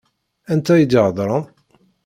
Anta i d-iheḍṛen?